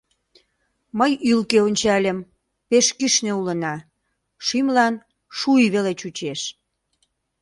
Мый ӱлкӧ ончальым — пеш кӱшнӧ улына, шӱмлан шуй веле чучеш.